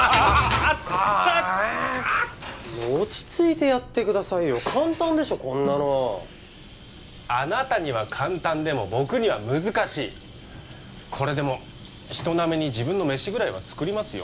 あっ落ち着いてやってくださいよ簡単でしょこんなのあなたには簡単でも僕には難しいこれでも人並みに自分の飯ぐらいは作りますよ